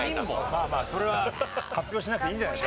まあまあそれは発表しなくていいんじゃないですか？